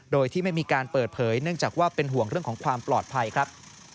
โดยที่ไม่มีการเปิดเผยเนื่องจากว่าเป็นห่วงเรื่องของความปลอดภัยครับ